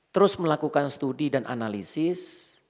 terus melakukan studi dan analisis